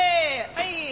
はい。